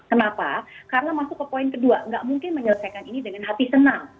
kenapa karena masuk ke poin kedua nggak mungkin menyelesaikan ini dengan hati senang